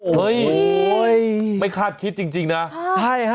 โอ้โหไม่คาดคิดจริงนะใช่ครับ